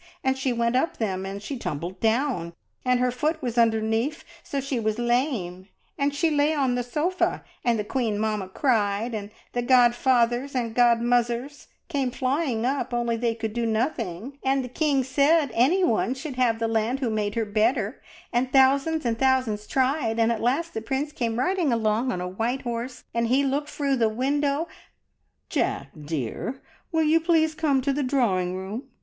and she went up them, and she tumbled down, and her foot was underneaf, so she was lame. An' she lay on the sofa, and the queen mamma cried, and the godfathers and the godmuzzers came flying up, only they could do nothing, and the king said anyone should have the land who made her better, an' thousands an' thousands tried, an' at last the prince came riding along on a white horse, an' he looked froo the window " "Jack dear, will you please come to the drawing room?